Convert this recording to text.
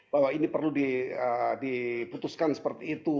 bahwa ini perlu diputuskan seperti itu